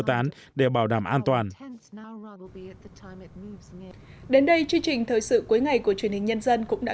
tán để bảo đảm an toàn đến đây chương trình thời sự cuối ngày của truyền hình nhân dân cũng đã